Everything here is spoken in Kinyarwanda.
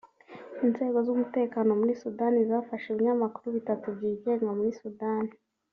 Inzego z’umutekano muri Sudani zafashe ibinyamakuru bitatu byigenga muri Sudani